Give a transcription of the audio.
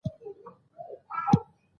دوی د اسلام نوی تفسیر او تعبیر وړاندې کړ.